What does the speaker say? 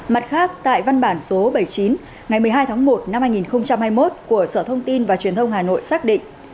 mặt khác tại văn bản số bảy mươi chín ngày một mươi hai tháng một năm hai nghìn hai mươi một của sở thông tin và truyền thông hà nội xác định